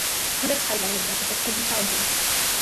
Critics highlighted that the book could be challenging.